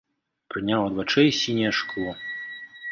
Прыняў ад вачэй сіняе шкло.